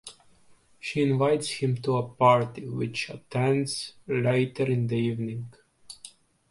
She invites him to a party, which he attends later in the evening.